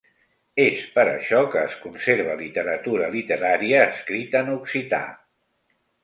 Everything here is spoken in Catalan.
És per això que es conserva literatura literària escrita en occità.